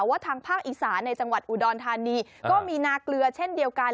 ว่าทางภาคอีสานในจังหวัดอุดรธานีก็มีนาเกลือเช่นเดียวกัน